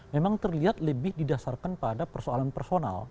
memang terlihat lebih didasarkan pada persoalan personal